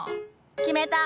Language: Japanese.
決めた！